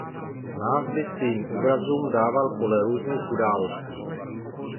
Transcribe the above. Názvy svým obrazům dával podle různých událostí.